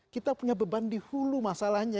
kita punya beban di hulu masalahnya